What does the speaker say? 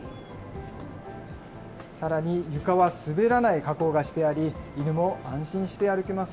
さらに、床は滑らない加工がしてあり、犬も安心して歩けます。